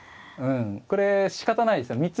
これしかたないですよ。